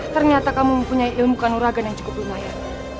ternyata kamu mempunyai ilmu kanuragan yang cukup lumayan